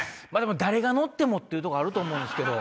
誰が乗ってもというとこあると思うんです